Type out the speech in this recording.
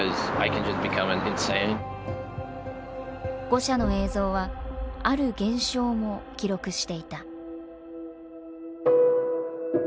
ゴシャの映像はある現象も記録していた。